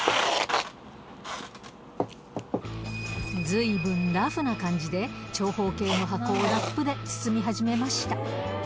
ずいぶんラフな感じで、長方形の箱をラップで包み始めました。